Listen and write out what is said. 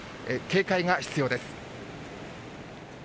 警戒が必要です。